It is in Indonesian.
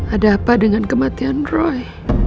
ada apa dengan kematian roy